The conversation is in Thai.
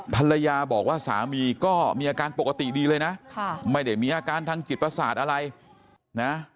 ภรรยาบอกว่าสามีก็มีอาการปกติดีเลยนะไม่ได้มีอาการทางจิตประสาทอะไรนะ